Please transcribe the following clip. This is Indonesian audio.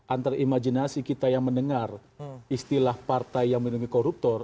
antara imajinasi kita yang mendengar istilah partai yang melindungi koruptor